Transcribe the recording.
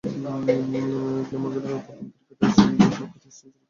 গ্ল্যামারগনের প্রথম ক্রিকেটার হিসেবে ইংল্যান্ডের পক্ষে টেস্ট সেঞ্চুরি করার গৌরব অর্জন করেন।